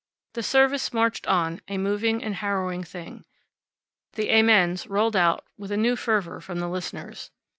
The service marched on, a moving and harrowing thing. The amens rolled out with a new fervor from the listeners.